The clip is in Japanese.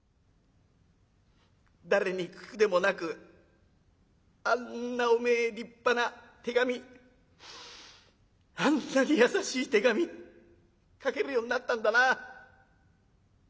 誰に聞くでもなくあんなおめえ立派な手紙あんなに優しい手紙書けるようになったんだな。